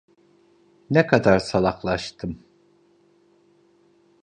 Ne kadar salaklaştım.